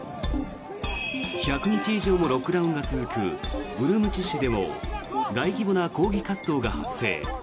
１００日以上もロックダウンが続くウルムチ市でも大規模な抗議活動が発生。